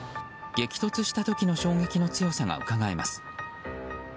激突した時の衝撃の強さがうかがえます。